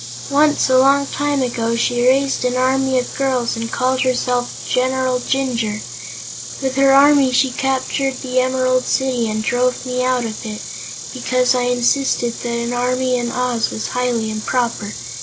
Once, a long time ago, she raised an army of girls and called herself 'General Jinjur.' With her army she captured the Emerald City, and drove me out of it, because I insisted that an army in Oz was highly improper.